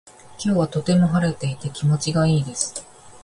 今日はとても晴れていて気持ちがいいです。